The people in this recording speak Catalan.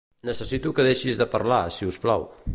Necessito que deixis de parlar, si us plau.